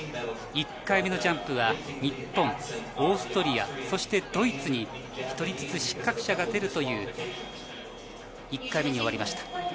１回目のジャンプは日本、オーストリア、ドイツに１人ずつ失格者が出るという１回目に終わりました。